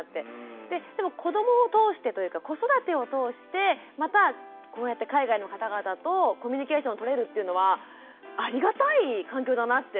でも子どもを通してというか子育てを通してまたこうやって海外の方々とコミュニケーション取れるっていうのはありがたい環境だなって思いましたね。